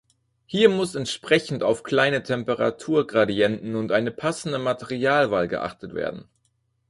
Hier muss entsprechend auf kleine Temperaturgradienten und eine passende Materialwahl geachtet werden.